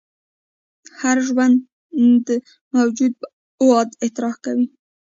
هر ژوندی موجود مواد اطراح کوي